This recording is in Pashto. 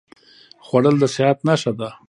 خوړل د صحت نښه ده